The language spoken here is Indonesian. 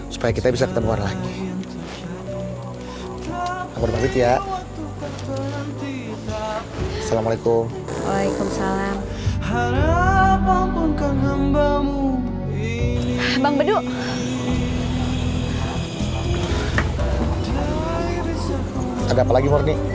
jadi kita bisa ketemu lagi